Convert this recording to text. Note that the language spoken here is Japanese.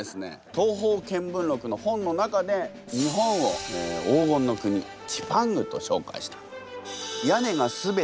「東方見聞録」の本の中で日本を黄金の国チパングと紹介した。